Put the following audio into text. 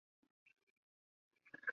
后由周荣接任。